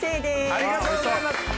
ありがとうございます！